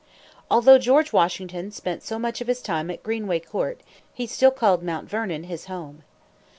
Although George Washington spent so much of his time at Greenway Court, he still called Mount Vernon his home.